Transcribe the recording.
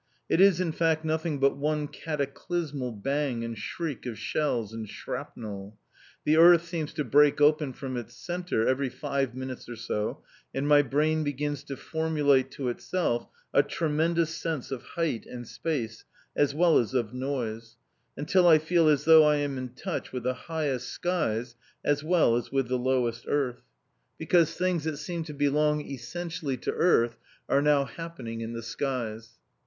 It is, in fact, nothing but one cataclysmal bang and shriek of shells and shrapnel. The earth seems to break open from its centre every five minutes or so, and my brain begins to formulate to itself a tremendous sense of height and space, as well as of noise, until I feel as though I am in touch with the highest skies as well as with the lowest earth, because things that seem to belong essentially to earth are now happening in the skies.